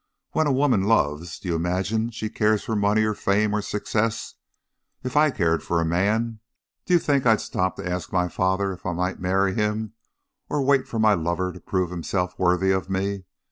When a woman loves, do you imagine she cares for money or fame or success? If I cared for a man, do you think I'd stop to ask my father if I might marry him or wait for my lover to prove himself worthy of me?